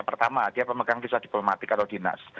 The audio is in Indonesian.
pertama dia pemegang visa diplomatik atau dinas